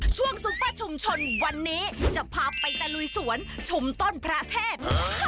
ซุปเปอร์ชุมชนวันนี้จะพาไปตะลุยสวนชุมต้นพระเทศ